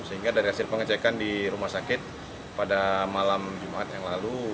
sehingga dari hasil pengecekan di rumah sakit pada malam jumat yang lalu